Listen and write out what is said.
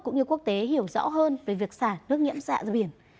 cũng như quốc tế hiểu rõ hơn về việc xả nước nhiễm xạ ra biển